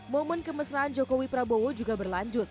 momen kemesraan jokowi prabowo juga berlanjut